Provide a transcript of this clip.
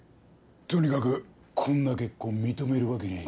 とにかくこんな結婚認めるわけには。